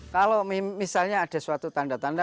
kalau misalnya ada suatu tanda tanda